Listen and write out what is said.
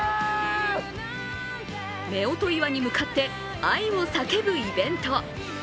夫婦岩に向かって愛を叫ぶイベント。